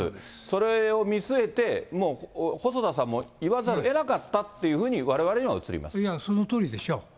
それを見据えて、もう細田さんも言わざるをえなかったというふうにわれわれには映いや、そのとおりでしょう。